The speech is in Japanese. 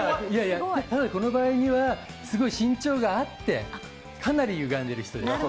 この場合にはすごい身長があってかなりゆがんでいる人です。